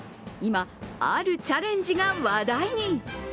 今、あるチャレンジが話題に。